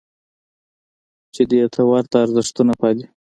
چې دې ته ورته ارزښتونه پالي.